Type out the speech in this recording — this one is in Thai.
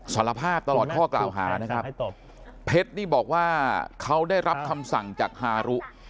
สารภาพตลอดข้อกล่าวหานะครับเพชรนี่บอกว่าเขาได้รับคำสั่งจากฮารุ